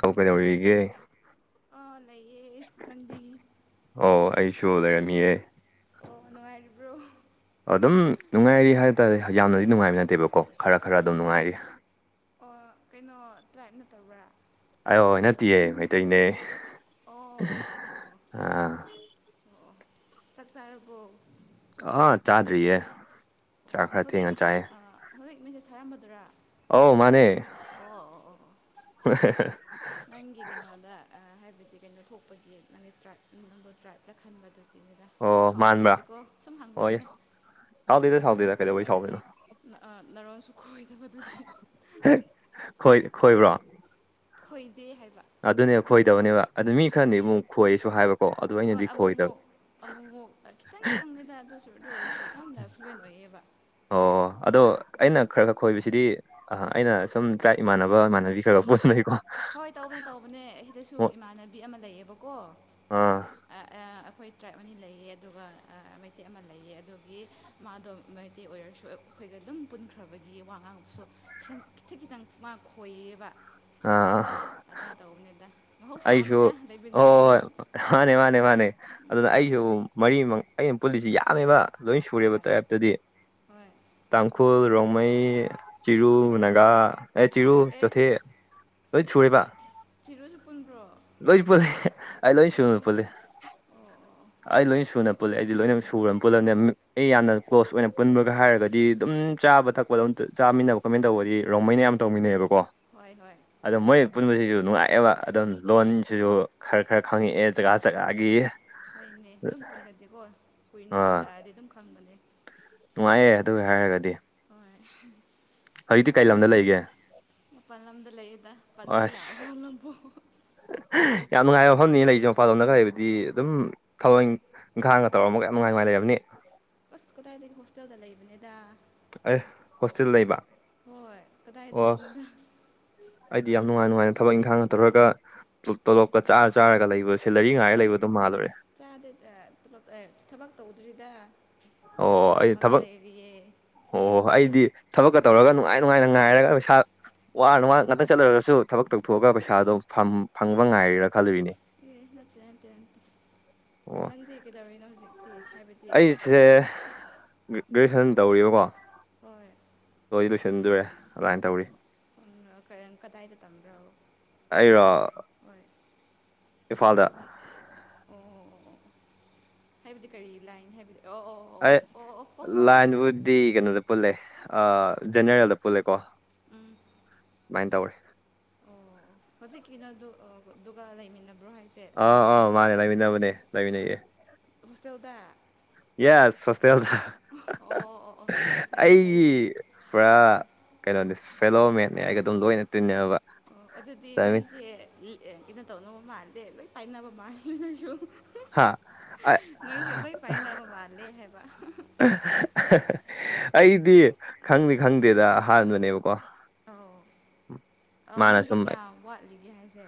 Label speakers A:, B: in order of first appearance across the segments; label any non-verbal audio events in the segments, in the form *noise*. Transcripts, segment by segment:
A: ꯇꯧ ꯀꯩꯗꯧꯔꯤꯒꯦ
B: ꯑ ꯂꯩꯌꯦ ꯅꯪꯗꯤ
A: ꯑꯣ ꯑꯩꯁꯨ ꯂꯩꯔꯝꯃꯤꯌꯦ
B: ꯑꯣ ꯅꯨꯡꯉꯥꯏꯔꯤꯕ꯭ꯔꯣ
A: ꯑꯗꯨꯝ ꯅꯨꯡꯉꯥꯏꯔꯤ ꯍꯥꯏꯇꯥꯔꯦ ꯌꯥꯝꯅꯗꯤ ꯅꯨꯡꯉꯥꯏꯕ ꯅꯠꯇꯦꯕꯀꯣ ꯈꯔ ꯈꯔ ꯑꯗꯨꯝ ꯅꯨꯡꯉꯥꯏꯔꯤ
B: ꯑꯣ ꯀꯩꯅꯣ ꯇ꯭ꯔꯥꯏꯞ ꯅꯠꯇꯕ꯭ꯔꯥ
A: ꯑꯩꯑ‌ꯣ ꯅꯠꯇꯦꯌꯦ ꯃꯩꯇꯩꯅꯦ
B: ꯑꯣ ꯑꯣ ꯑꯣ ꯑꯣ ꯑꯣ
A: ꯑꯥ
B: ꯑꯣ ꯆꯥꯛ ꯆꯥꯔꯕꯣ
A: ꯑꯥ ꯆꯥꯗ꯭ꯔꯤꯌꯦ ꯆꯥꯛ
B: ꯑꯣ
A: ꯈꯔ
B: ꯍꯧꯖꯤꯛ
A: ꯊꯦꯡꯉ ꯆꯥꯏꯌꯦ
B: ꯍꯧꯖꯤꯛ ꯃꯦꯁꯦꯖ ꯊꯥꯔꯝꯕꯗꯨꯔꯥ
A: ꯑꯧ ꯃꯥꯅꯦ
B: ꯑꯣ ꯑꯣ ꯑꯣ ꯑꯣ ꯅꯪꯒꯤ ꯀꯩꯅꯣꯗ ꯍꯥꯏꯕꯗꯤ ꯀꯩꯅꯣ ꯊꯣꯛꯄꯒꯤ ꯅꯪꯒꯤ ꯇ꯭ꯔꯥꯏꯞ ꯅꯪꯕꯨ ꯇ꯭ꯔꯥꯏꯞꯂ ꯈꯟꯕꯗꯨ ꯑꯗꯨꯏꯅꯤꯗ
A: ꯑꯣ
B: ꯁꯥꯎꯕ
A: ꯃꯥꯟꯕ꯭ꯔꯥ
B: ꯌꯥꯗꯀꯣ ꯁꯨꯝ ꯍꯥꯡꯕꯅꯤꯗ
A: ꯁꯥꯎꯗ‌ꯦꯗ ꯁꯥꯎꯗ‌ꯦꯗ ꯀꯩꯗꯧꯕꯩ ꯁꯥꯎꯗꯧꯏꯅ‌ꯣ
B: ꯑ ꯅꯔ‌ꯣꯟꯁꯨ ꯈꯣꯏꯗꯕꯗꯨꯒꯤ
A: ꯈꯣꯏ ꯈꯣꯏꯕ꯭ꯔꯣ
B: ꯈꯣꯏꯗꯦ ꯍꯥꯏꯕ
A: ꯑꯗꯨꯅꯦꯕ ꯈꯣꯏꯗꯕꯅꯦꯕ ꯑꯗꯨ ꯃꯤ ꯈꯔꯗꯤ
B: ꯍꯣꯏ
A: ꯑꯃꯨꯛ ꯈꯣꯏꯁꯨ ꯍꯥꯏꯕꯀꯣ ꯑꯗꯨ ꯑꯩꯅꯗꯤ ꯈꯣꯏꯗꯕ
B: ꯑꯃꯨꯃꯨꯛ ꯈꯤꯇꯪ ꯈꯤꯇꯪꯅꯤꯗ ꯑꯗꯨ ꯑꯗꯨꯑꯣꯏꯔꯁꯨ ꯌꯥꯝꯅ ꯐ꯭ꯂꯨꯋꯦꯟ ꯑꯣꯏꯌꯦꯕ
A: ꯑꯣ ꯑꯗꯣ ꯑꯩꯅ ꯈꯔ ꯈꯔ ꯈꯣꯏꯕꯁꯤꯗꯤ ꯑ ꯑꯩꯅ ꯁꯨꯝ ꯇ‍꯭ꯔꯥꯏꯞ ꯏꯃꯥꯟꯅꯕ ꯏꯃꯥꯟꯅꯕꯤ ꯈꯔꯈꯔ ꯄꯨꯟꯕꯒꯤꯀꯣ
B: ꯍꯣꯏ ꯇꯧꯕꯅꯦ ꯇꯧꯕꯅꯦ ꯑꯩꯗꯁꯨ ꯏꯃꯥꯟꯅꯕꯤ ꯑꯃ ꯂꯩꯌꯦꯕꯀꯣ
A: ꯑꯥ
B: ꯑꯥ ꯑꯥ ꯑꯩꯈꯣꯏ ꯇ꯭ꯔꯥꯏꯞ ꯑꯅꯤ ꯂꯩꯌꯦ ꯑꯗꯨꯒ ꯃꯩꯇꯩ ꯑꯃ ꯂꯩꯌꯦ ꯑꯗꯨꯒꯤ ꯃꯥꯗꯣ ꯃꯩꯇꯩ ꯑꯣꯏꯔꯁꯨ ꯑꯩꯈꯣꯏꯒ ꯑꯗꯨꯝ ꯄꯨꯟꯈ꯭ꯔꯕꯒꯤ ꯋꯥ ꯉꯥꯡꯕꯥꯁꯨ ꯈꯔ ꯈꯤꯇꯪ ꯈꯤꯇꯪ ꯃꯥ ꯈꯣꯏꯌꯦꯕ
A: ꯑꯥ
B: ꯑꯗꯨꯃꯥꯏꯅ ꯇꯧꯕꯅꯤꯗ
A: ꯑꯩꯁꯨ
B: ꯃꯍꯧꯁꯥꯅꯤꯗ ꯂꯩꯃꯤꯟꯅꯔꯗꯤ
A: ꯍꯣꯏ ꯍꯣꯏ ꯍꯣꯏ ꯃꯥꯅꯦ ꯃꯥꯅꯦ ꯃꯥꯅꯦ ꯑꯗꯨꯅ ꯑꯩꯁꯨ ꯃꯔꯤꯃꯛ ꯑꯩꯅ ꯄꯨꯜꯂꯤꯁꯤ ꯌꯥꯝꯃꯦꯕ ꯂꯣꯏ ꯁꯨꯔꯦꯕ
B: ꯍꯣꯏ
A: ꯇ꯭ꯔꯥꯏꯞꯇꯥꯗꯤ
B: ꯍꯣꯏ
A: ꯇꯥꯡꯈꯨꯜ ꯔꯣꯡꯃꯩ ꯆꯤꯔꯨ ꯅꯥꯒꯥ ꯆꯤꯔꯨ
B: ꯑꯦ
A: ꯆꯣꯊꯦ ꯂꯣꯏ ꯁꯨꯨꯔꯦꯕ
B: ꯆꯤꯔꯨꯁꯨ ꯄꯨꯨꯟꯕ꯭ꯔꯣ
A: ꯂꯣꯏ ꯄꯨꯜꯂꯤ ꯑꯩ ꯂꯣꯏꯁꯨꯅ ꯄꯨꯜꯂꯤ
B: ꯑꯣ ꯑꯣ
A: ꯑꯩ ꯂꯣꯏꯅ ꯁꯨꯅ ꯄꯨꯜꯂꯦ ꯑꯩꯗꯤ ꯂꯣꯏꯅꯃꯛ ꯁꯨꯔ ꯄꯨꯜꯂꯝꯅꯤ ꯑꯩ ꯌꯥꯝꯅ ꯀ꯭ꯂꯣꯁ ꯑꯣꯏꯅ ꯄꯨꯟꯕꯒ ꯍꯥꯏꯔꯒꯗꯤ ꯑꯗꯨꯝ ꯆꯥꯕ ꯊꯛꯄꯗꯣꯝ ꯆꯥꯃꯤꯟꯅꯕ ꯀꯣꯏꯃꯤꯟꯅꯕ ꯇꯧꯕꯗꯤ ꯔꯣꯡꯃꯩꯅ ꯑꯌꯥꯝ ꯇꯧꯃꯤꯟꯅꯩꯕꯀꯣ
B: ꯍꯣꯏ ꯍꯣꯏ
A: ꯑꯗꯣ ꯃꯣꯏ ꯄꯨꯟꯕꯁꯤꯁꯨ ꯅꯨꯡꯉꯥꯏꯑꯦꯕ ꯑꯗꯨꯝ
B: ꯍꯣꯏ
A: ꯂꯣꯟꯁꯤꯁꯨ ꯈꯔ ꯈꯔ ꯈꯪꯉꯛꯑꯦ ꯖꯒꯥ
B: ꯑ,
A: ꯆꯖꯒꯥꯒꯤ
B: ꯍꯣꯏꯅꯦ ꯑꯗꯨꯝ ꯄꯨꯜꯂꯗꯤꯀꯣ ꯀꯨꯏꯅ
A: ꯑꯥ
B: ꯄꯨꯜꯂꯛꯑꯗꯤ ꯑꯗꯨꯝ ꯈꯪꯕꯅꯦ
A: ꯅꯨꯡꯉꯥꯏꯌꯦ ꯑꯗꯨ ꯍꯥꯏꯔꯒꯗꯤ
B: ꯍꯣꯏ
A: ꯍꯧꯖꯤꯛꯇꯤ ꯀꯩ
B: ꯅꯪ
A: ꯂꯝꯗ ꯂꯩꯒꯦ
B: ꯃꯄꯥꯜ ꯂꯝꯗ ꯂꯩꯌꯦꯗ ꯄꯟꯕ
A: ꯑꯁ
B: ꯌꯥꯕ꯭ꯔꯣ ꯂꯝꯕꯨ
A: ꯌꯥꯝ ꯅꯨꯡꯉꯥꯏꯕ ꯃꯐꯝꯅꯤ ꯂꯩꯁꯦ ꯃꯄꯥꯥꯟꯂꯣꯝꯗꯒ ꯂꯩꯕꯥꯗꯤ ꯑꯗꯨꯝ ꯒꯥꯡꯒ ꯇꯧꯔꯝꯃꯥꯒ ꯌꯥꯝ ꯅꯨꯉꯥꯏ ꯉꯥꯏ ꯂꯩꯔꯕꯅꯤ
B: ꯑꯁ ꯀꯗꯥꯏꯗꯒꯤ ꯍꯣꯁꯇꯦꯜꯗ ꯂꯩꯕꯅꯦꯗ
A: ꯑꯦ ꯍꯣꯁꯇꯦꯜ ꯂꯩꯕ
B: ꯍꯣꯏ
A: ꯑꯣ
B: ꯀꯗꯥꯏꯗꯒꯤꯅꯣꯗ
A: ꯑꯩꯗꯤ ꯌꯥꯝ ꯅꯨꯡꯉꯥꯏ ꯅꯨꯡꯉꯥꯏꯅ ꯊꯕꯛ ꯏꯪꯈꯥꯡꯅ ꯇꯧꯔꯒ ꯇꯣꯂꯣꯞꯀ ꯆꯥꯔ ꯆꯥꯔꯒ ꯂꯩꯕꯁꯦ ꯁꯦꯂꯔꯤ ꯉꯥꯏꯔ ꯂꯩꯕꯗꯣ ꯃꯥꯜꯂꯨꯔꯦ
B: ꯆꯥꯗꯦꯗ ꯊꯕꯛ ꯇꯧꯗ꯭ꯔꯤꯗ
A: ꯑꯣ ꯑꯩ
B: ꯇꯝꯃꯒ
A: ꯊꯕꯛ
B: ꯂꯩꯔꯤꯌꯦ
A: ꯑꯣ ꯑꯩꯗꯤ ꯊꯕꯛꯀ ꯇꯧꯔꯒ ꯅꯨꯡꯉꯥꯏ ꯅꯨꯡꯉꯥꯏꯅ ꯉꯥꯏꯔꯒ ꯄꯩꯁꯥ ꯋꯥꯔꯅꯨꯡ ꯋꯥ ꯉꯥꯛꯇꯪ ꯆꯠꯂꯨꯔꯒꯁꯨ ꯊꯕꯛ ꯇꯧꯊꯣꯛꯑꯒ ꯄꯩꯁꯥ ꯗꯨ ꯐꯝ ꯐꯪꯕ ꯉꯥꯏꫪꯤꯔꯥ ꯈꯜꯂꯨꯔꯤꯅꯦ
B: ꯑꯦ ꯅꯠꯇꯦ ꯅꯠꯇꯦ ꯅꯇꯦ
A: ꯑꯣ
B: ꯅꯪꯗꯤ ꯀꯩꯗꯧꯔꯤꯅꯣ ꯍꯧꯖꯤꯛ
A: ꯑꯩꯁꯦ ꯒ꯭ꯔꯦꯖꯨꯋꯦꯁꯟ ꯇꯧꯔꯤꯕꯀꯣ
B: ꯍꯣꯏ
A: ꯂꯣꯏ ꯂꯣꯏꯁꯤꯟꯗꯨꯔꯦ ꯑꯗꯨꯃꯥꯏꯅ ꯇꯧꯔꯤ
B: ꯎꯝ ꯀꯗꯥꯏꯗ ꯇꯝꯕ꯭ꯔꯣ
A: ꯑꯩꯔꯣ
B: ꯍꯣꯏ
A: ꯏꯝꯐꯥꯜꯗ
B: ꯑꯣ ꯑꯣ ꯑꯣ ꯍꯥꯏꯕꯗꯤ ꯀꯔꯤ ꯂꯥꯏꯟ ꯍꯥꯏꯕꯗꯤ ꯑꯣ ꯑꯣ
A: ꯑꯦ
B: ꯑꯣ ꯑꯣ ꯑꯣ ꯍꯣꯏ ꯍꯣꯏ
A: ꯂꯥꯏꯟꯕꯨꯗꯤ ꯀꯩꯅꯣꯗ ꯄꯨꯜꯂꯦ ꯖꯦꯅꯦꯔꯦꯜꯗ ꯄꯨꯜꯂꯦꯀꯣ
B: ꯎꯝ
A: ꯁꯃꯥꯏꯅ ꯇꯧꯋꯦ
B: ꯑꯣ ꯍꯧꯖꯤꯛꯀꯤꯅ ꯑꯗꯨꯒ ꯂꯩꯃꯤꯟꯅꯕ꯭ꯔꯣ ꯍꯥꯏꯁꯦ
A: ꯑꯥ ꯑꯥ ꯃꯥꯅꯦ
B: ꯅꯃꯥꯟꯅꯕꯗꯨꯒ
A: ꯂꯩꯃꯤꯟꯅꯕꯅꯦ ꯂꯩꯃꯤꯟꯅꯩ
B: ꯍꯣꯁꯇꯦꯜꯗ
A: ꯌꯦꯁ ꯍꯣꯁꯇꯦꯜꯗ
B: ꯑꯣ ꯑꯣ ꯑꯣ ꯑꯣ ꯐꯩꯌꯦ ꯐꯩꯌꯦ
A: ꯑꯩꯒꯤ ꯄꯨꯔꯥ ꯀꯩꯅꯣꯗꯤ ꯐꯦꯂꯣ ꯃꯦꯠꯅꯦ ꯑꯩꯒ ꯑꯗꯨꯝ ꯂꯣꯏꯅ ꯇꯤꯟꯅꯕ
B: ꯑꯦ ꯀꯩꯅꯣ ꯇꯧꯅꯕꯥ ꯃꯥꯥꯟꯗꯦ ꯂꯣꯏ ꯄꯥꯏꯅꯕ ꯃꯥꯁꯨ
A: ꯍꯥ ꯑ-
B: ꯅꯣꯏꯁꯨ ꯂꯣꯏ ꯄꯥꯏꯅꯕ ꯃꯥꯜꯂꯦ ꯍꯥꯏꯕ
A: ꯑꯩꯗꯤ ꯈꯪꯗꯤ ꯈꯪꯗꯦꯗ ꯑꯍꯥꯟꯕꯅꯦꯕꯀꯣ
B: ꯑꯧ ꯑ
A: ꯃꯥꯅ
B: ꯅꯪꯗꯤ
A: ꯁꯨꯝ
B: ꯀꯌꯥ ꯋꯥꯠꯂꯤꯒꯦ ꯍꯥꯏꯁꯦ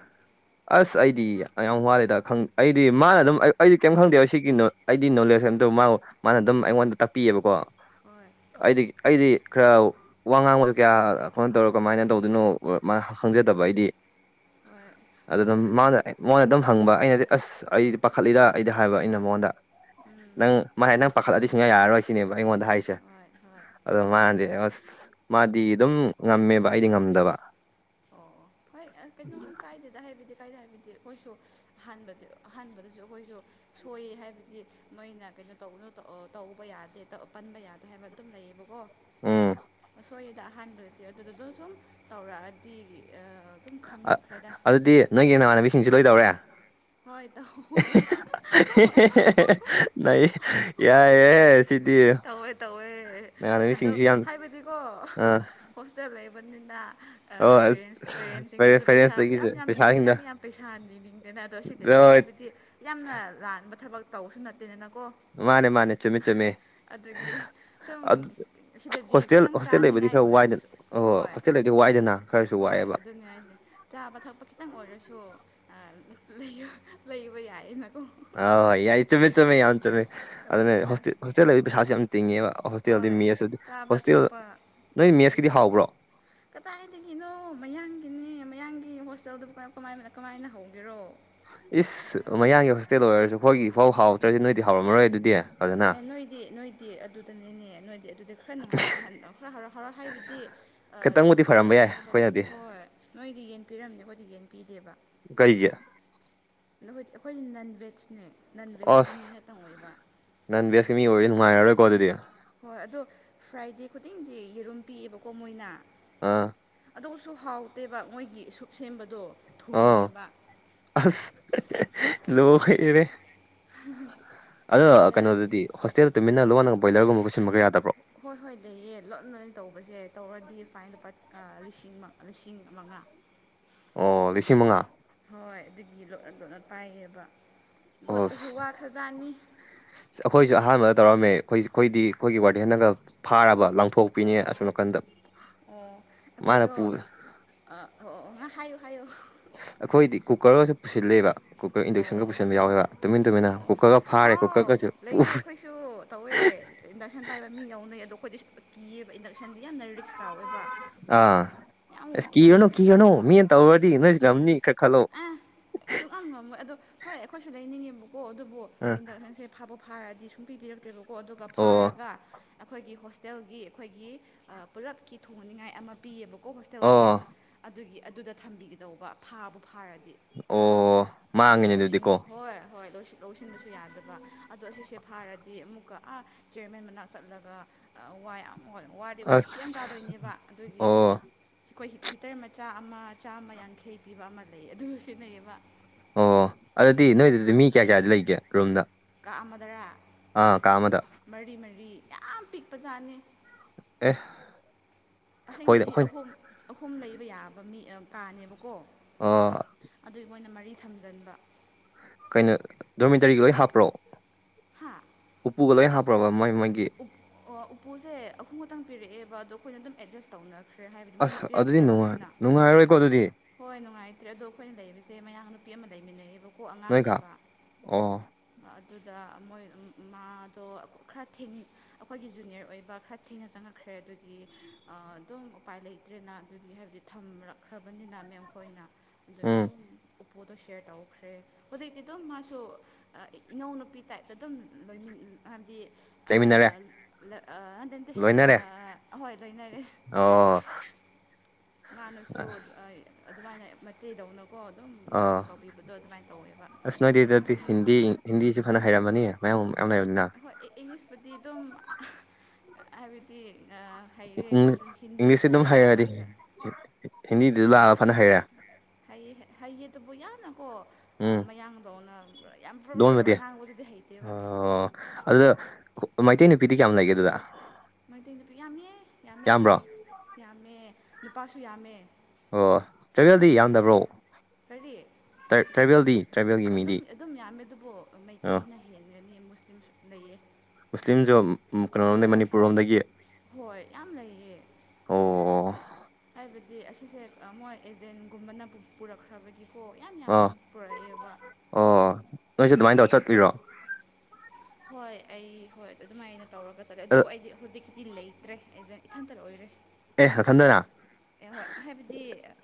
A: ꯑꯁ ꯑꯩꯗꯤ ꯌꯥꯝꯌꯥꯝ ꯋꯥꯂꯦꯗ ꯑꯩꯗꯤ ꯃꯥꯅ ꯑꯗꯨꯝ ꯑꯩꯗꯤ ꯀꯩꯝ ꯈꯪꯗꯦꯕ ꯁꯤꯀꯤꯅꯣ ꯑꯩꯗꯤ ꯅꯣꯂꯦꯖ ꯍꯥꯏꯇꯧ ꯃꯥ ꯃꯥꯅ ꯑꯗꯨꯝ ꯑꯩꯉꯣꯟꯗ ꯇꯥꯛꯄꯤꯌꯦꯕꯀꯣ
B: ꯍꯣꯏ
A: ꯑꯩꯗꯤ ꯑꯩꯗꯤ ꯈꯔ ꯋꯥ ꯉꯥꯡꯕꯁꯨ ꯀꯌꯥ ꯑꯩꯈꯅ ꯇꯧꯔ ꯀꯃꯥꯏꯅ ꯇꯧ ꯑꯗꯨꯅ ꯃꯥ ꯈꯪꯖꯗꯕ ꯑꯩꯗꯤ
B: ꯍꯣꯏ
A: ꯑꯗꯨ ꯑꯗꯨꯝ ꯃꯥꯅ ꯃꯥꯅ ꯑꯗꯨꯝ ꯍꯪꯕ ꯑꯩꯅꯗꯤ ꯑꯁ ꯑꯩꯗꯤ ꯄꯥꯈꯠꯂꯤꯗ ꯑꯩꯗꯤ ꯍꯥꯏꯕ ꯑꯩꯅ ꯃꯉꯣꯟꯗ ꯅꯪ ꯃꯥ ꯍꯥꯏ ꯅꯪ ꯄꯥꯈꯠꯂꯗꯤ ꯁꯨꯡꯌꯥ ꯌꯥꯔꯔꯣꯏ ꯁꯤꯅꯦꯕ ꯑꯩꯉꯣꯟꯗ ꯍꯥꯏꯔꯤꯁꯦ
B: ꯍꯣꯏ ꯍꯣꯏ
A: ꯑꯗꯣ ꯃꯥꯅꯗꯤ ꯑꯁ ꯃꯥꯗꯤ ꯑꯗꯨꯝ ꯉꯝꯃꯦꯕ ꯑꯩꯗꯤ ꯉꯝꯗꯕ
B: ꯑꯣ ꯍꯣꯏ ꯑ ꯀꯩꯅꯣꯝ ꯀꯥꯏꯗꯦꯗ ꯍꯥꯏꯕꯗꯤ ꯀꯥꯏꯗꯦ ꯍꯥꯏꯕꯗꯤ ꯑꯩꯈꯣꯏꯁꯨ ꯑꯍꯥꯟꯕꯗ ꯑꯍꯥꯟꯕꯗꯁꯨ ꯑꯩꯈꯣꯏꯁꯨ ꯁꯣꯏꯌꯦ ꯍꯥꯏꯕꯗꯤ ꯃꯣꯏꯅ ꯀꯩꯅꯣ ꯇꯧꯒꯅꯨ ꯇꯧ ꯑ ꯇꯧꯕ ꯌꯥꯗꯦ ꯄꯟꯕ ꯌꯥꯗꯦ ꯍꯥꯏꯕ ꯑꯗꯨꯝ ꯂꯩꯌꯦꯕꯀꯣ
A: ꯎꯝ
B: ꯁꯣꯏꯌꯦꯗ ꯑꯍꯥꯟꯕꯗꯗꯤ ꯑꯗꯨꯗꯨꯗꯣ ꯁꯨꯝ ꯇꯧꯔꯛꯑꯗꯤ ꯑ ꯑꯗꯨꯝ
A: ꯑ
B: ꯈꯪꯔꯛꯈ꯭ꯔꯦꯗ
A: ꯑꯗꯨꯗꯤ ꯅꯣꯏꯒꯤ ꯅꯃꯥꯟꯅꯕꯤꯁꯤꯡꯁꯨ ꯂꯣꯏ ꯇꯧꯔꯦ
B: ꯍꯣꯏ ꯇꯧꯋꯦ
A: *unintelligible* ꯅꯩꯏ
B: *unintelligible* ꯇꯧꯋꯦ ꯇꯧꯋꯦ ꯑꯗꯣ
A: ꯅꯃꯥꯟꯅꯕꯤꯁꯤꯡꯁꯨ ꯌꯥꯝ
B: ꯍꯥꯏꯕꯗꯤꯀꯣ
A: ꯑꯥ
B: ꯍꯣꯁꯇꯦꯜ ꯂꯩꯕꯅꯤꯅ
A: ꯑꯣ ꯑꯁ
B: ꯄꯦꯔꯦꯟꯁ ꯄꯦꯔꯦꯟꯁꯁꯤꯡꯗꯁꯨ ꯄꯩꯁꯥ
A: ꯄꯦꯔꯦꯟꯁꯇꯒꯤꯁꯨ
B: ꯃꯌꯥꯝ ꯌꯥꯝ
A: ꯄꯩꯁꯥꯁꯤꯡꯗ
B: ꯌꯥꯝ ꯌꯥꯝ ꯄꯩꯁꯥ ꯅꯤꯅꯤꯡꯗꯦꯅ ꯅꯠ__ ꯑꯗꯣ ꯁꯤꯗꯒꯤ
A: ꯂꯣꯏ
B: ꯍꯥꯏꯕꯗꯤ ꯌꯥꯝꯅ ꯂꯥꯟꯕ ꯊꯕꯛ ꯇꯧꯕꯁꯨ ꯅꯠꯇꯦꯗꯅꯀꯣ
A: ꯃꯥꯅꯦ ꯃꯥꯅꯦ ꯆꯨꯝꯃꯦ ꯆꯨꯝꯃꯦ
B: ꯑꯗꯨꯒꯤ ꯁꯨꯝ
A: ꯑꯗꯨ
B: ꯁꯤꯗꯗꯤ
A: ꯍꯣꯁꯇꯦꯜ
B: ꯈꯤꯇꯪ
A: ꯍꯣꯁꯇꯦꯜ ꯂꯩꯕꯗꯤ
B: ꯆꯥꯅꯤꯡꯉꯥꯏ
A: ꯈꯔ ꯋꯥꯏꯗꯅ
B: ꯑꯣꯏꯔꯁꯨ
A: ꯑꯣ
B: ꯍꯣꯏ
A: ꯍꯣꯁꯇꯦꯜ ꯂꯩꯕꯗꯤ ꯋꯥꯏꯗꯅ ꯈꯔꯁꯨ
B: ꯍꯣꯏ
A: ꯋꯥꯏꯑꯦꯕ
B: ꯑꯗꯨꯅꯦ ꯍꯥꯏꯁꯦ ꯆꯥꯕ ꯊꯛꯄ ꯈꯤꯇꯪ ꯑꯣꯏꯔꯁꯨ ꯑ ꯂꯩꯕ ꯂꯩꯕ ꯌꯥꯏꯌꯦꯅꯥꯀꯣ
A: ꯑꯥꯎ ꯌꯥꯏ ꯆꯨꯝꯃꯤ ꯆꯨꯝꯃꯤ ꯌꯥꯝ ꯆꯨꯝꯃꯤ ꯑꯗꯨꯅꯦ
B: ꯑꯗꯨꯅꯤꯗ
A: ꯍꯣꯁꯇꯦꯜ ꯍꯣꯁꯇꯦꯜ ꯂꯩꯕ ꯄꯩꯁꯥꯁꯦ ꯌꯥꯝ ꯇꯤꯡꯉꯦꯕ ꯍꯣꯁꯇꯦꯜꯗꯤ
B: ꯍꯣꯏ
A: ꯃꯦꯁ ꯑꯗꯨ
B: ꯆꯥꯕ
A: ꯍꯣꯁꯇꯦꯜ
B: ꯊꯛꯄꯒꯤꯁꯨ
A: ꯅꯣꯏ ꯃꯦꯁꯀꯤꯗꯤ ꯍꯥꯎꯕ꯭ꯔꯣ
B: ꯀꯗꯥꯏꯗꯒꯤꯅꯣ ꯃꯌꯥꯡꯒꯤꯅꯦ ꯃꯌꯥꯡꯒꯤ ꯍꯣꯁꯇꯦꯜꯗꯕꯨ ꯀꯃ ꯀꯃꯥꯏ ꯀꯃꯥꯏꯅ ꯍꯧꯒꯦꯔꯣ
A: ꯏꯁ ꯃꯌꯥꯡꯒꯤ ꯍꯣꯁꯇꯦꯜ ꯑꯣꯏꯔꯁꯨ ꯑꯩꯈꯣꯏꯒꯤ ꯐꯥꯎ ꯍꯥꯎꯇ꯭ꯔꯖꯤꯗ ꯅꯣꯏꯗꯤ ꯍꯥꯎꯔꯝꯃꯔꯣꯏ ꯑꯗꯨꯗꯤ ꯐꯖꯅ
B: ꯑꯦ ꯅꯣꯏꯗꯤ ꯅꯣꯏꯗꯤ ꯑꯗꯨꯗꯅꯦꯅꯦ ꯅꯣꯏꯗꯤ ꯑꯗꯨ ꯈꯔ ꯅꯨꯡꯉꯥꯏꯔꯝꯍꯜ ꯈꯔ ꯍꯔꯥꯎ ꯍꯔꯥꯎ ꯍꯥꯏꯕꯗꯤ ꯑ ꯆ
A: ꯈꯤꯇꯪꯕꯨꯗꯤ
B: ꯆ
A: ꯐꯔꯝꯕ ꯌꯥꯏ
B: ꯆꯥꯕ ꯇꯪ
A: ꯑꯩꯈꯣꯏꯅꯗꯤ
B: ꯍꯣꯏ ꯅꯣꯏꯗꯤ ꯌꯦꯟ ꯄꯤꯔꯝꯅꯤ ꯑꯩꯈꯣꯏꯗꯤ ꯌꯦꯟ ꯄꯤꯗꯦꯕ
A: ꯀꯩꯒꯤ
B: ꯅꯈꯣꯏꯗꯤ ꯑꯩꯈꯣꯏ ꯅꯟ ꯚꯦꯖꯅꯦ ꯅꯟ ꯚꯦꯖꯀꯤ ꯃꯤ
A: ꯑꯁ
B: ꯉꯥꯇꯪ ꯑꯣꯏꯕ
A: ꯅꯟ ꯚꯦꯖꯀꯤ ꯃꯤ ꯑꯣꯏꯔꯗꯤ ꯅꯨꯡꯉꯥꯏꯔꯔꯣꯏꯀꯣ ꯑꯗꯨꯗꯤ
B: ꯍꯣꯏ ꯑꯗꯣ ꯐ꯭ꯔꯥꯏꯗꯦ ꯈꯨꯗꯤꯡꯗꯤ ꯌꯦꯔꯨꯝ ꯄꯤꯌꯦꯕꯀꯣ ꯃꯣꯏꯅ
A: ꯑꯥ
B: ꯑꯗꯨꯁꯨ ꯍꯥꯎꯇꯦꯕ ꯃꯣꯏꯒꯤ ꯁꯨꯞ ꯁꯦꯝꯕꯗꯣ
A: ꯑꯥ
B: ꯊꯨꯝꯃꯦꯕ
A: ꯑꯁ
B: ꯑꯗꯨꯅꯦꯗ
A: ꯂꯣꯏꯔꯦꯍ ꯑꯗꯣ
B: ꯑꯗꯨꯅꯦꯗ
A: ꯀꯩꯅꯣꯗꯗꯤ ꯍꯣꯁꯇꯦꯜ ꯇꯨꯃꯤꯟꯅ ꯂꯣꯟꯅꯒ ꯕꯣꯏꯂꯔꯒꯨꯝꯕ ꯄꯨꯁꯤꯟꯕꯒ ꯌꯥꯗꯕ__
B: ꯍꯣꯏ ꯍꯣꯏ ꯂꯩꯌꯦ ꯂꯣꯠꯅꯅꯦ ꯇꯧꯕꯁꯦ ꯇꯧꯔꯗꯤ ꯐꯥꯏꯟ ꯂꯨꯄꯥ ꯑꯥ ꯂꯤꯁꯤꯡ ꯃ ꯂꯤꯁꯤꯡ ꯃꯉꯥ
A: ꯑꯣ ꯂꯤꯁꯤꯡ ꯃꯉꯥ
B: ꯍꯣꯏ ꯑꯗꯨꯒꯤ ꯂꯣꯠꯅ ꯂꯣꯠꯅ ꯄꯥꯏꯌꯦꯕ
A: ꯑꯣ
B: ꯂꯣꯠꯄꯁꯨ
A: ꯑꯁ
B: ꯋꯥ ꯈ꯭ꯔꯖꯥꯠꯅꯤ
A: ꯑꯩꯈꯣꯏꯁꯨ ꯑꯍꯥꯟꯕꯗ ꯇꯧꯔꯝꯃꯦ ꯑꯩꯈꯣꯏ ꯑꯩꯈꯣꯏꯗꯤ ꯑꯩꯈꯣꯏꯒꯤ ꯋꯥꯔꯗꯦꯟꯅꯒ ꯐꯥꯔꯕ ꯂꯪꯊꯣꯛ ꯄꯤꯅꯦ
B: ꯑꯧ
A: ꯑꯁꯣꯝ ꯅꯥꯀꯟꯗ
B: ꯑꯣ
A: ꯃꯥꯅ
B: ꯑꯩꯈꯣꯏꯗꯣ
A: ꯄꯨ__
B: ꯑꯥ ꯑꯣ ꯍꯥꯏꯌꯣ ꯍꯥꯏꯌꯣ
A: ꯑꯩꯈꯣꯏꯗꯤ ꯀꯨꯀꯔꯒꯁꯨ ꯄꯨꯁꯤꯜꯂꯦꯕ ꯀꯨꯀꯔ ꯏꯟꯗꯛꯁꯟꯒ
B: ꯑꯣ
A: ꯄꯨꯁꯤꯟꯕ ꯌꯥꯎꯋꯦꯕ ꯇꯨꯃꯤꯟ ꯇꯨꯃꯤꯟ
B: ꯑꯣ ꯑꯣ ꯑꯥꯎ ꯂꯩꯌꯦ ꯑꯩꯈꯣꯏꯁꯨ ꯇꯧꯋꯦ ꯏꯟꯗꯛꯁꯟ ꯄꯥꯏꯕ ꯃꯤ ꯌꯥꯎꯅꯩ ꯑꯗꯣ ꯑꯩꯈꯣꯏꯗꯤ *unintelligible* ꯀꯤꯌꯦꯕ ꯏꯟꯗꯛꯁꯟꯗꯤ ꯌꯥꯝꯅ ꯔꯤꯛꯁ ꯆꯥꯎꯋꯦꯕ
A: ꯑꯥ
B: ꯌꯥꯝ
A: ꯑꯁ
B: ꯋꯥꯡꯕꯅ
A: ꯀꯤꯔꯨꯅꯨ ꯀꯤꯔꯨꯅꯨ
B: ꯐꯠꯇꯦꯕ
A: ꯃꯤꯅ ꯇꯧꯔꯗꯤ ꯅꯣꯏꯁꯨ ꯉꯝꯅꯤ ꯈꯔ ꯈꯜꯂꯣ
B: *unintelligible* ꯁꯨꯛꯉꯝ ꯉꯝꯃꯣꯏ ꯑꯗꯣ ꯍꯣꯏ ꯑꯩꯈꯣꯏꯁꯨ ꯂꯩꯅꯤꯡꯉꯦꯕꯀꯣ ꯑꯗꯨꯕꯨ
A: ꯑꯥ
B: ꯏꯟꯗꯛꯁꯟꯁꯦ ꯐꯥꯕ ꯐꯥꯔꯗꯤ ꯁꯨꯡꯄꯤ ꯄꯤꯔꯛꯇꯦꯕꯀꯣ ꯑꯗꯨꯒ
A: ꯑꯣ
B: ꯐꯥꯔꯒ ꯑꯩꯈꯣꯏꯒꯤ ꯍꯣꯁꯇꯦꯜꯒꯤ ꯑꯩꯈꯣꯏꯒꯤ ꯑ ꯄꯨꯂꯞꯀꯤ ꯊꯣꯡꯍꯟ ꯅꯤꯡꯉꯥꯏ ꯑꯃ__ ꯄꯤꯌꯦꯕꯀꯣ ꯍꯣꯁꯇꯦꯜꯒꯤ
A: ꯑꯣ
B: ꯑꯗꯨꯒꯤ ꯑꯗꯨꯗ ꯊꯝꯕꯤꯒꯗꯧꯕ ꯐꯥꯕꯨ ꯐꯥꯔꯗꯤ
A: ꯑꯣ
B: ꯑꯗꯨꯒꯤ
A: ꯃꯥꯡꯉꯤꯅꯦ
B: ꯂꯧꯁꯤꯟ
A: ꯑꯗꯨꯗꯤꯀꯣ
B: ꯍꯣꯏ ꯍꯣꯏ ꯂꯧꯁꯤꯟ ꯂꯧꯁꯤꯟꯕꯁꯨ__ ꯌꯥꯗꯕ ꯑꯗꯣ ꯑꯁꯤꯁꯦ ꯐꯥꯔꯗꯤ ꯑꯃꯨꯛꯀ ꯑꯥ ꯆꯤꯌꯔꯃꯦꯟ ꯃꯅꯥꯛ ꯆꯠꯂꯒ ꯑ ꯋꯥ ꯌꯥꯝ__ ꯍꯣꯏ ꯋꯥꯗꯤ ꯋꯥꯊꯤ ꯌꯥꯝ
A: ꯑꯁ
B: ꯆꯥꯗꯣꯏꯅꯦꯕ ꯑꯗꯨꯒꯤ
A: ꯑꯣ
B: ꯑꯩꯈꯣꯏ ꯁꯤ ꯍꯤꯇꯔ ꯃꯆꯥ ꯑꯃ ꯆꯥꯝꯃ ꯌꯥꯡꯈꯩ ꯄꯤꯕ ꯑꯃ ꯂꯩ ꯑꯗꯨꯗꯨ ꯁꯤꯟꯅꯩꯌꯦꯕ
A: ꯑꯣ ꯑꯗꯨꯗꯤ ꯅꯣꯏꯗꯨꯗꯤ ꯃꯤ ꯀꯌꯥ ꯀꯌꯥꯗꯤ ꯂꯩꯒꯦ ꯔꯨꯝꯗ
B: ꯀꯥ ꯑꯃꯗꯔꯥ
A: ꯑ ꯀꯥꯃꯗ
B: ꯃꯔꯤ ꯃꯔꯤ ꯌꯥꯝ ꯄꯤꯛꯄ ꯖꯥꯠꯅꯤ
A: ꯑꯦꯍ
B: ꯑꯁꯦꯡꯕꯗꯤ ꯑꯍꯨꯝ ꯑꯍꯨꯝ ꯂꯩꯕ ꯌꯥꯕ ꯃꯤ ꯀꯥꯅꯦꯕꯀꯣ
A: ꯑꯣ
B: ꯑꯗꯨ ꯃꯣꯏꯅ ꯃꯔꯤ ꯊꯝꯖꯤꯟꯕ
A: ꯀꯩꯅꯣ ꯗꯣꯔꯃꯦꯇꯔꯤ ꯂꯣꯏ ꯍꯥꯞꯄ꯭ꯔꯣ
B: ꯍꯥꯥ
A: ꯎꯄꯨꯒ ꯂꯣꯏ ꯍꯥꯞꯄ꯭ꯔꯕ ꯃꯣꯏ ꯃꯣꯏꯒꯤ
B: ꯎꯞꯄꯨꯁꯦ ꯑꯈꯨꯝ ꯈꯛꯇꯪ ꯄꯤꯔꯛꯑꯦꯕ ꯑꯗ ꯑꯩꯈꯣꯏ ꯑꯗꯨꯝ ꯑꯦꯗꯖꯁ ꯇꯧꯅꯔ ꯈ꯭ꯔꯦ ꯍꯥꯏꯕꯗꯤ ꯃꯣꯏꯅ
A: ꯑꯁ ꯑꯗꯨꯗꯤ ꯅꯨꯡꯉꯥꯏ
B: ꯄꯤꯔꯛꯇ꯭ꯔꯕꯅꯤꯅ
A: ꯅꯨꯡꯉꯥꯏꯔꯔꯣꯏꯀꯣ ꯑꯗꯨꯗꯤ
B: ꯍꯣꯏ ꯅꯨꯡꯉꯥꯏꯇ꯭ꯔꯦ ꯑꯗꯣ ꯑꯩꯈꯣꯏꯅ ꯂꯩꯕꯁꯦ ꯃꯌꯥ ꯅꯨꯄꯤ ꯑꯃ ꯂꯩꯃꯤꯟꯅꯩꯌꯦꯕ ꯑꯀꯣꯛ
A: ꯅꯣꯏꯒ
B: ꯑꯉꯥꯡꯅꯦꯕ
A: ꯑꯣ
B: ꯑꯗꯨꯗ ꯃꯣꯏ ꯃꯥꯗꯣ ꯈꯔ ꯊꯦꯡ ꯑꯩꯈꯣꯏꯒꯤ ꯖꯨꯅꯤꯌꯔ ꯑꯣꯏꯕ ꯈꯔ ꯊꯦꯡꯅ ꯆꯪꯉꯛꯈ꯭ꯔꯦ ꯑꯗꯨꯒꯤ ꯑꯗꯨꯝ ꯎꯄꯥꯏ ꯂꯩꯇ꯭ꯔꯦꯅ ꯑꯗꯨꯒꯤ ꯍꯥꯏꯕꯗꯤ ꯊꯝꯔꯛꯈ꯭ꯔꯕꯅꯤꯅ ꯃꯦꯝ ꯈꯣꯏꯅ ꯑꯗꯨꯗꯒꯤ
A: ꯎꯝ
B: ꯑꯗꯨꯝ ꯎꯞꯄꯣꯗꯣ ꯁꯤꯦꯌꯔ ꯇꯧꯈ꯭ꯔꯦ ꯍꯧꯖꯤꯛꯇꯤ ꯑꯗꯨꯝ ꯃꯥꯁꯨ ꯏꯅꯥꯎꯅꯨꯄꯤ ꯇꯥꯏꯞꯇ ꯑꯗꯨꯝ ꯂꯣꯏ ꯍꯥꯏꯕꯗꯤ
A: ꯆꯩꯃꯤꯟꯅꯔꯦ
B: ꯍꯟꯗ ꯅꯟꯇꯦ
A: ꯂꯣꯏꯅꯔꯦ
B: ꯑꯍꯣꯏ ꯂꯣꯏꯅꯔꯦ
A: ꯑꯣ
B: ꯃꯥꯅꯁꯨ ꯑꯗꯨꯃꯥꯏꯅ ꯃꯆꯦꯗꯧꯅ ꯀꯣ ꯑꯗꯨꯝ ꯇꯧꯕꯤꯕꯗꯣ ꯑꯗꯨꯃꯥꯏꯅ ꯇꯧꯋꯦꯕ
A: ꯅꯣꯏꯗꯨꯗꯗꯤ ꯍꯤꯟꯗꯤ ꯍꯤꯟꯗꯤꯁꯨ ꯐꯅ ꯍꯩꯔꯝꯃꯅꯤ ꯃꯌꯥꯝ ꯌꯥꯝ ꯂꯩꯔꯕꯅꯤꯅ
B: ꯍꯣꯏ ꯏꯪꯂꯤꯁꯄꯨꯗꯤ ꯑꯗꯨꯝ ꯍꯥꯏꯕꯗꯤ ꯍꯩꯔꯦ ꯑꯗꯨꯁꯨ ꯍꯤꯟꯗꯤꯕꯨꯗꯤ ꯁꯤ ꯂꯥꯛꯑꯀꯥꯟꯗ
A: ꯍꯤꯟꯗꯤꯗꯨꯁꯨ ꯂꯥꯛꯑꯒ ꯐꯅ ꯍꯩꯔꯦ
B: ꯍꯩ ꯍꯩꯌꯦꯗꯨꯕꯨ ꯌꯥꯅ ꯍꯣ
A: ꯎꯝ
B: ꯃꯌꯥꯡꯕꯧꯅ ꯌꯥꯝ ꯄꯨꯔꯔ
A: ꯂꯣꯟꯕꯗꯤ
B: ꯉꯥꯡꯕꯗꯨꯗꯤ ꯍꯩꯇꯦꯕ
A: ꯑꯣ ꯑꯗꯨꯗ ꯃꯩꯇꯩ ꯅꯨꯄꯤꯗꯤ ꯀꯌꯥꯝ ꯂꯩꯒꯦ ꯑꯗꯨꯗ
B: ꯃꯩꯇꯩ ꯅꯨꯄꯤ ꯌꯥꯝꯃꯦ ꯌꯥꯝꯃꯦ
A: ꯌꯥꯝꯕ꯭ꯔꯣ
B: ꯌꯥꯝꯃꯦ ꯌꯥꯝꯃꯦ ꯂꯨꯄꯥꯁꯨ ꯌꯥꯝꯃꯦ
A: ꯑꯣ ꯆꯒꯦꯜꯗꯤ ꯌꯥꯝꯗꯕ꯭ꯔꯣ
B: ꯀꯔꯤꯌꯦ
A: ꯇ꯭ꯔꯥꯏꯕꯦꯜꯗꯤ ꯇ꯭ꯔꯥꯏꯕꯦꯜꯒꯤ ꯃꯤꯗꯤ
B: ꯑꯗꯨꯝ ꯑꯗꯨꯝ ꯌꯥꯝꯃꯦ ꯑꯗꯨꯕꯨ
A: ꯑ
B: ꯃꯩꯇꯩꯅ ꯍꯦꯟꯒꯅꯤ ꯃꯨꯁꯂꯤꯝꯁꯨ ꯂꯩꯌꯦ
A: ꯃꯨꯁꯂꯤꯝꯁꯨ ꯀꯩꯅꯣꯔꯣꯝꯗ
B: ꯍꯣꯏ
A: ꯃꯅꯤꯄꯨꯔ ꯂꯣꯝꯗꯒꯤ
B: ꯍꯣꯏ ꯌꯥꯝ ꯂꯩꯌꯦ
A: ꯑꯣ
B: ꯍꯥꯏꯕꯗꯤ ꯑꯁꯤꯁꯦ ꯃꯣꯏ ꯑꯦꯖꯦꯟꯒꯨꯝꯕꯅ ꯄꯨꯔꯛꯈ꯭ꯔꯕꯒꯤ ꯀ ꯌꯥꯝ ꯌꯥꯝ
A: ꯑꯣ
B: ꯌꯥꯝ ꯄꯨꯔꯛꯑꯦꯕ
A: ꯑꯣ ꯅꯣꯏꯁꯨ ꯑꯗꯨꯃꯥꯏꯅ ꯇꯧꯔ
B: ꯃꯅꯤꯄꯨꯔ
A: ꯆꯠꯂꯤꯔꯣ
B: ꯍꯣꯏ ꯑꯩ ꯍꯣꯏ ꯑꯗꯨꯃꯥꯏꯅ ꯇꯧꯔꯒ ꯆꯠꯂꯦ ꯑꯗꯨꯕꯨ ꯑꯩꯗꯤ ꯍꯧꯖꯤꯛꯀꯤꯗꯤ ꯂꯩꯇ꯭ꯔꯦ ꯑꯦꯖꯦꯟ ꯏꯊꯟꯇ ꯑꯣꯏꯔꯦ
A: ꯑꯦ ꯍꯊꯟꯗꯔꯥ
B: ꯑꯦ ꯍꯣꯏ ꯍꯥꯏꯕꯗꯤ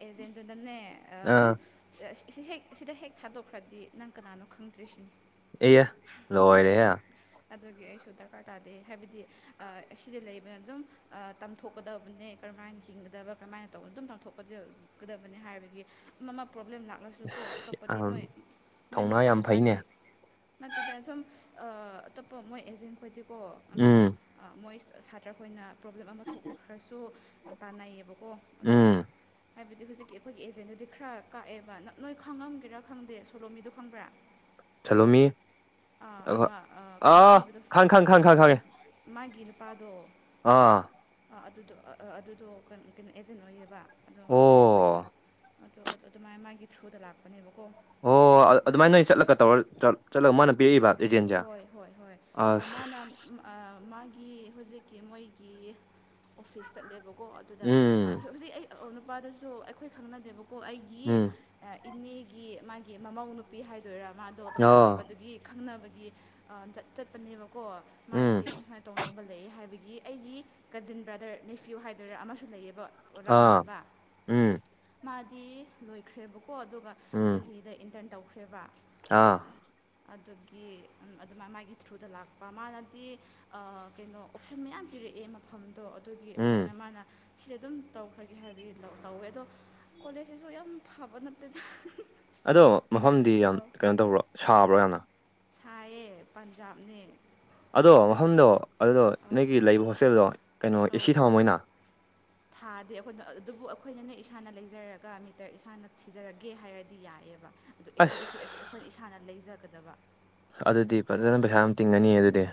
B: ꯑꯦꯖꯦꯟꯗꯨꯅꯅꯦ ꯑꯗꯨꯝ
A: ꯑꯥ
B: ꯑꯁꯤ ꯍꯦꯛ ꯑꯁꯤꯗ ꯍꯦꯛ ꯊꯥꯗꯣꯛꯈ꯭ꯔꯗꯤ ꯅꯪ ꯀꯅꯥꯅꯣ ꯈꯪꯗ꯭ꯔꯤ ꯁꯤꯅꯤ
A: ꯑꯦ ꯂꯣꯏꯔꯦꯍꯦ
B: ꯑꯗꯨꯒꯤ ꯑꯩꯁꯨ ꯗꯔꯀꯥꯔ ꯇꯥꯗꯦ ꯍꯥꯏꯕꯗꯤ ꯑꯁꯤꯗ ꯂꯩꯕꯅ ꯑꯗꯨꯝ ꯇꯝꯊꯣꯛꯀꯗꯕꯅꯦ ꯀꯔꯝꯍꯥꯏꯅ ꯍꯤꯡꯒꯗꯕ ꯀꯔꯝꯥꯏꯅ ꯇꯧ ꯑꯗꯨꯝ ꯄꯥꯡꯊꯣꯛꯀꯗꯒꯗꯕꯅꯤ ꯍꯥꯏꯕꯒꯤ ꯑꯃ ꯑꯃ ꯄ꯭ꯔꯣꯕ꯭ꯂꯦꯝ ꯂꯥꯛ ꯁꯨ ꯀꯣ ꯑꯇꯣꯞꯄꯗꯤ ꯃꯣꯏ
A: ꯌꯥꯝ
B: ꯃꯣꯏ
A: ꯊꯧꯅꯥ
B: ꯃꯁꯥ
A: ꯌꯥꯝ ꯐꯩꯅꯦ
B: ꯃꯁꯥꯒꯤ ꯅꯠꯇꯦꯗ ꯁꯨꯝ ꯑꯇꯣꯞꯄ ꯃꯣꯏ ꯑꯦꯖꯦꯟ ꯈꯣꯏꯗꯤꯀꯣ
A: ꯎꯝ
B: ꯃꯣꯏ ꯁꯥꯇ꯭ꯔ ꯑꯩꯣꯏꯅ ꯄ꯭ꯔꯣꯕ꯭ꯂꯦꯝ ꯑꯃ ꯊꯣꯛꯈ꯭ꯔꯁꯨ ꯇꯥꯟꯅꯩꯌꯦꯕꯀꯣ ꯑꯗꯣ
A: ꯎꯝ
B: ꯍꯥꯏꯕꯗꯤ ꯍ ꯍꯧꯖꯤꯛꯀꯤ ꯑꯩꯈꯣꯏꯒꯤ ꯑꯦꯖꯦꯟꯗꯨꯗꯤ ꯈꯔ ꯀꯥꯛꯑꯦꯕ ꯅꯞ ꯅꯣꯏ ꯈꯪꯉꯝꯒꯦꯔꯥ ꯈꯪꯗꯦ ꯁꯣꯂꯣꯝ ꯃꯤꯗꯣ ꯈꯪꯕ꯭ꯔꯥ
A: ꯆꯠꯂꯣꯃꯤ
B: ꯑ, ꯑꯃ ꯑ, ꯀꯩꯅꯣ
A: ꯑꯥ
B: ꯄꯤꯕꯗꯣ
A: ꯈꯥꯡ ꯈꯥꯡ ꯈꯥꯡ ꯈꯥꯡ ꯈꯥꯡꯉꯦ
B: ꯃꯥꯒꯤ ꯅꯨꯄꯥꯗꯣ
A: ꯑꯥ
B: ꯑꯗꯨꯗꯣ ꯑꯗꯨꯗꯣ ꯀꯩꯅꯣ ꯑꯦꯖꯦꯟ ꯑꯣꯏꯌꯦꯕ ꯑꯗꯣ ꯑꯩꯈꯣꯏꯒꯤ
A: ꯑꯣ
B: ꯑꯗꯣ ꯑꯗꯨꯃꯥꯏꯅ ꯃꯥꯒꯤ ꯊ꯭ꯔꯨꯗ ꯂꯥꯛꯄꯅꯦꯕꯀꯣ
A: ꯑꯣ ꯑꯗꯨꯥꯏꯅ ꯆꯠꯂꯒ ꯇꯧꯔ ꯆꯠꯂꯒ ꯃꯥꯅ ꯄꯤꯔꯛꯏꯕ ꯑꯦꯖꯦꯟꯁꯦ
B: ꯍꯣꯏ ꯍꯣꯏ ꯍꯣꯏ
A: ꯑꯁ
B: ꯃꯥꯅ ꯃꯥꯒꯤ ꯍꯧꯖꯤꯛꯀꯤ ꯃꯣꯏꯒꯤ ꯑꯣꯐꯤꯁ ꯆꯠꯂꯦꯕꯀꯣ ꯀꯣ ꯑꯗꯨꯗ
A: ꯎꯝ
B: ꯍꯧꯖꯤꯛ ꯑꯩ ꯅꯨꯄꯥꯗꯨꯁꯨ ꯑꯩꯈꯣꯏ ꯈꯪꯅꯗꯦꯕꯀꯣ ꯑꯩꯒꯤ
A: ꯎꯝ
B: ꯏꯅꯦꯒꯤ ꯃꯥꯒꯤ ꯃꯃꯧ ꯅꯨꯄꯤ ꯍꯥꯏꯗꯣꯏꯔꯥ ꯃꯥꯗꯣ ꯗꯣꯛꯇꯔ
A: ꯑ
B: ꯑꯣꯏꯕꯗꯨꯒꯤ ꯈꯪꯅꯕꯒꯤ ꯍꯥꯏꯗꯤ ꯆꯠꯄꯅꯦꯕꯀꯣ
A: ꯎꯝ
B: ꯃꯥꯒꯤ ꯁꯨꯝ ꯁꯨꯃꯥꯏꯅ ꯇꯧꯅꯕ ꯂꯩ ꯍꯥꯏꯕꯒꯤ ꯑꯩꯒꯤ ꯀꯖꯤꯟ ꯕ꯭ꯔꯗꯔ ꯅꯅꯤꯐꯤꯌꯨ ꯍꯥꯏꯗꯣꯏꯔꯥ ꯑꯃꯁꯨ ꯂꯩꯌꯦꯕ
A: ꯑꯥ
B: ꯂꯥꯛꯃꯤꯟꯅꯕ
A: ꯎꯝ
B: ꯃꯥꯗꯤ ꯂꯣꯏꯈ꯭ꯔꯦꯕꯀꯣ ꯑꯗꯨꯒ
A: ꯎꯝ
B: ꯗꯦꯍꯤꯗ ꯏꯟꯇꯔꯟ ꯇꯧꯈ꯭ꯔꯦꯕ
A: ꯑꯥ
B: ꯑꯗꯨꯒꯤ ꯑꯗꯨꯃꯥꯏ ꯃꯥꯒꯤ ꯊ꯭ꯔꯨꯗ ꯂꯥꯛꯄ ꯃꯥꯅꯗꯤ ꯀꯩꯅꯣ ꯑꯣꯞꯁꯟ ꯃꯌꯥꯝ ꯄꯤꯔꯛꯑꯦ ꯃꯐꯝꯗꯣ ꯑꯗꯨꯒꯤ
A: ꯎꯝ
B: ꯑꯩꯈꯣꯏꯅ ꯃꯥꯅ ꯁꯤꯁꯦ ꯑꯗꯨꯝ ꯇꯧꯈ꯭ꯔꯒꯦ ꯍꯥꯏꯕꯒꯤ ꯇꯧꯋꯦ ꯑꯗꯣ ꯀꯣꯂꯦꯖꯁꯤꯁꯨ ꯌꯥꯝ ꯐꯕ ꯅꯠꯇꯦꯅ
A: ꯑꯗꯣ ꯃꯐꯝꯗꯤ ꯌꯥꯝ ꯀꯩꯅꯣ ꯇꯧꯕ꯭ꯔꯣ ꯁꯥꯕ꯭ꯔꯣ ꯌꯥꯝꯅ
B: ꯁꯥꯏꯌꯦ ꯄꯟꯖꯥꯕꯅꯦ
A: ꯑꯗꯣ ꯃꯐꯝꯗꯣ ꯑꯗꯨꯗꯣ
B: ꯑꯧ
A: ꯅꯣꯏꯒꯤ ꯂꯩꯕ ꯍꯣꯁꯇꯦꯜꯗꯣ ꯀꯩꯅꯣ ꯑꯦꯁꯤ ꯊꯝꯃꯝꯃꯣꯏꯅ
B: ꯊꯥꯗꯦ ꯑꯩꯈꯣꯏꯅ ꯑꯗꯨꯕꯨ ꯑꯩꯈꯣꯏꯅꯅꯦ ꯏꯁꯥꯅ ꯂꯩꯖꯔꯒ ꯃꯤꯇꯔ ꯏꯁꯥꯅ ꯊꯤꯖꯔꯒꯦ ꯍꯥꯏꯔꯗꯤ ꯌꯥꯏꯑꯦꯕ ꯑꯗꯣ ꯑꯦ
A: ꯑꯁ
B: ꯁꯤꯗꯁꯨ ꯑꯩꯈꯣꯏꯅ ꯏꯁꯥꯅ ꯂꯩꯖꯒꯗꯕ
A: ꯑꯗꯨꯗꯤ ꯐꯖꯅ ꯄꯩꯁꯥ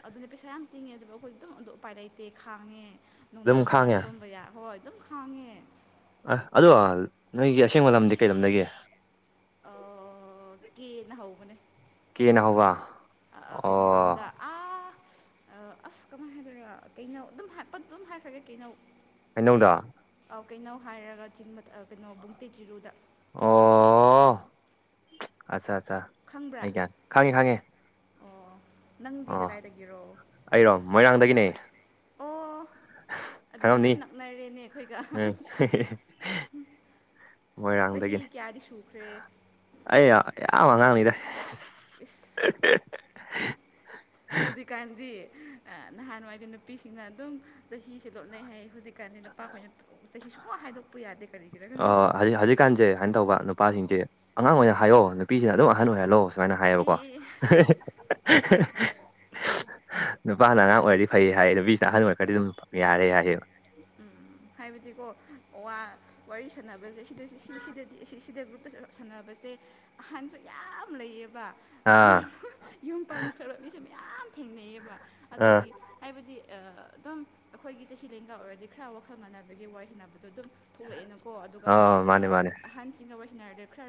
B: ꯑꯗꯨꯗꯤ ꯄꯩꯁꯥ ꯌꯥꯝ ꯇꯤꯡꯉꯦ ꯑꯗꯨꯕꯨ ꯑꯩꯈꯣꯏꯗꯤ ꯑꯗꯨꯝ ꯑꯗꯨ ꯎꯄꯥꯏ ꯂꯩꯇꯦ ꯈꯥꯡꯉꯦ ꯅꯨꯡꯗꯥꯡ
A: ꯑꯗꯨꯝ
B: ꯅꯨꯡꯗꯥꯡ
A: ꯈꯥꯡꯉꯦ
B: ꯇꯣꯟꯕ ꯌꯥ ꯍꯣꯏ ꯑꯗꯨꯝ ꯈꯥꯡꯉꯦ
A: ꯑ ꯑꯗꯣ ꯅꯣꯏꯒꯤ ꯑꯁꯦꯡꯕ ꯂꯝꯗꯤ ꯀꯩ ꯂꯝꯗꯒꯤ
B: ꯀꯦꯅ ꯍꯧꯕꯅꯦ
A: ꯀꯦꯅ ꯍꯧꯕ
B: ꯀꯩꯅꯣꯔꯣꯝꯗ
A: ꯑꯣ
B: ꯑꯁ ꯑꯁ ꯀꯃꯥꯏꯅ ꯍꯥꯏꯗꯣꯏꯔꯒ ꯀꯩꯅꯧ ꯑꯗꯨꯝ ꯍꯥꯏꯄ ꯑꯗꯨꯝ ꯍꯥꯏꯈ꯭ꯔꯒ ꯀꯩꯅꯧ
A: ꯀꯩꯅꯧꯗ
B: ꯀꯩꯅꯣ ꯍꯥꯏꯔꯒ ꯆ ꯀꯩꯅꯣ ꯕꯨꯡꯇꯤ ꯆꯤꯔꯨꯗ
A: ꯑꯣ ꯑꯠꯆꯥ ꯑꯠꯆꯥ
B: ꯈꯪꯕ꯭ꯔꯥ
A: ꯍꯥꯏꯒ ꯈꯥꯡꯉꯤ ꯈꯥꯡꯉꯦ
B: ꯑꯣ ꯅꯪꯗꯤ ꯀꯗꯥꯏꯗꯒꯤꯔꯣ
A: ꯑꯩꯔꯣ ꯃꯣꯏꯔꯥꯡꯗꯒꯤꯅꯦ
B: ꯑꯣꯍ ꯑꯣ ꯑꯗꯨꯗꯤ
A: ꯈꯪꯉꯝꯅꯤ
B: ꯑꯗꯨꯝ ꯅꯛꯅꯔꯦꯅꯦ ꯑꯩꯈꯣꯏꯒ
A: *inaudible*
B: ꯆꯍꯤ
A: ꯃꯣꯏꯔꯥꯡꯗꯒꯤꯅꯤ
B: ꯀꯌꯥꯗꯤ ꯁꯨꯈ꯭ꯔꯦ
A: ꯑꯩ ꯌꯥꯝꯌꯥꯝ
B: ꯑꯧ
A: ꯑꯉꯥꯡꯅꯤꯗ
B: ꯏꯁ ꯍꯧꯖꯤꯛꯀꯥꯟꯗꯤ ꯅꯍꯥꯟꯋꯥꯏꯗꯤ ꯅꯨꯄꯤꯁꯤꯡꯅ ꯑꯗꯨꯝ ꯆꯍꯤꯁꯦ ꯂꯣꯠꯅꯩ ꯍꯥꯏ ꯍꯧꯖꯤꯛ ꯀꯥꯏꯗꯤ ꯅꯨꯄꯥꯈꯣꯏꯅ ꯆꯍꯤ ꯁꯨꯛ ꯍꯥꯏꯗꯣꯛꯄ ꯌꯥꯗꯦ ꯀꯔꯤꯒꯤꯔ
A: ꯑ
B: ꯈꯪꯗꯦ
A: ꯍꯧꯖꯤꯛ ꯍꯧꯖꯤꯛꯀꯥꯟꯁꯦ ꯍꯥꯏꯅ ꯇꯧꯕ
B: ꯑꯧ
A: ꯅꯨꯄꯥꯁꯤꯡꯁꯦ ꯑꯉꯥꯡ ꯑꯣꯏꯅ ꯍꯥꯏꯌꯣ ꯅꯨꯄꯤꯁꯤꯅ ꯑꯗꯨꯝ ꯑꯍꯟ ꯑꯣꯏꯍꯜꯂꯛꯑꯣ ꯁꯨꯃꯥꯏꯅ ꯍꯥꯏꯌꯦꯕꯀꯣ
B: ꯑꯦ ꯑꯦ
A: ꯅꯨꯄꯥꯅ ꯑꯉꯥꯡ ꯑꯣꯏꯔꯗꯤ ꯐꯩ ꯍꯥꯏꯌꯦ ꯅꯨꯄꯤꯁꯤꯅ ꯑꯍꯟ ꯑꯣꯏꯔꯒꯗꯤ ꯑꯗꯨꯝ ꯌꯥꯔꯦ ꯍꯥꯏꯌꯦꯕ
B: ꯎꯝ ꯍꯥꯏꯕꯗꯤꯀꯣ ꯋꯥꯔꯤ ꯁꯥꯟꯅꯕ ꯦ ꯁꯤꯗꯗꯗꯤ ꯁꯤꯗ ꯒ꯭ꯔꯨꯞꯇ ꯁꯥꯟꯅꯕꯁꯦ ꯑꯍꯥꯟꯕꯁꯨ ꯌꯥꯝ ꯂꯩꯌꯦꯕ
A: ꯑꯥ
B: ꯌꯨꯝ ꯌꯨꯝ ꯄꯥꯟꯈꯔ ꯃꯤꯁꯨ ꯃꯌꯥꯝ ꯊꯦꯡꯅꯩꯌꯦꯕ
A: ꯑꯥ
B: ꯑꯗꯨꯗꯒꯤ ꯍꯥꯏꯕꯗꯤ ꯑꯗꯨꯝ ꯑꯩꯈꯣꯏꯒꯤ ꯆꯍꯤ ꯂꯦꯡꯀ ꯑꯣꯏꯔꯗꯤ ꯈꯔ ꯋꯥꯈꯜ ꯃꯥꯟꯅꯕꯒꯤ ꯋꯥꯔꯤ ꯁꯅꯕꯗꯣ ꯑꯗꯨꯝ ꯊꯣꯛꯂꯛꯑꯦꯅꯀꯣ ꯑꯗꯨꯒ
A: ꯑ ꯃꯥꯅꯦ ꯃꯥꯅꯦ
B: ꯑꯍꯟꯁꯤꯡꯒ ꯋꯥꯔꯤꯁꯤꯟꯅꯔꯗꯤ ꯈꯔ